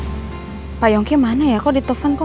lumayan ada pengalaman dia